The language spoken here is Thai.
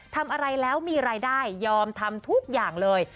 ทำอะไรแล้วมีรายได้ยอมทำทุกอย่างเลย